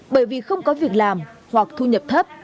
bởi vì không có việc làm hoặc thu nhập thấp